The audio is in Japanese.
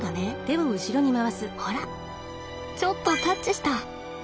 ほらちょっとタッチした。